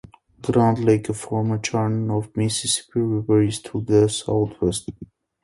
Grand Lake, a former channel of the Mississippi River, is to the southeast.